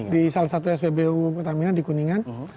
di salah satu spbu pertamina di kuningan